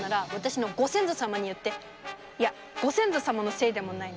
いやご先祖様のせいでもないな。